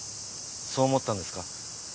そう思ったんですか？